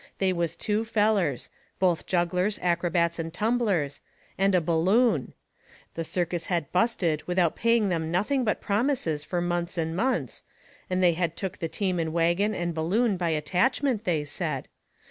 They was two fellers both jugglers, acrobats, and tumblers and a balloon. The circus had busted without paying them nothing but promises fur months and months, and they had took the team and wagon and balloon by attachment, they said.